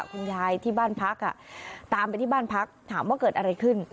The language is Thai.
คุณยายที่บ้านพักตามไปที่บ้านพักถามว่าเกิดอะไรขึ้น